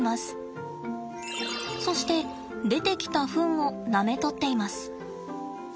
そして出てきたフンをなめとっています。